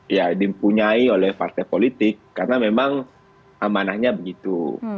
ya dipunyai oleh partai politik karena memang amanahnya begitu